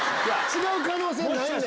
違う可能性ないね